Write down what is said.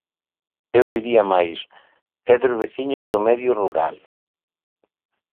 Eu diría máis, é dos veciños do medio rural.